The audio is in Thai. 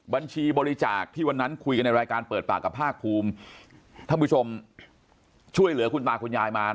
บัญชีบริจาคที่วันนั้นคุยกันในรายการเปิดปากกับภาคภูมิท่านผู้ชมช่วยเหลือคุณตาคุณยายมา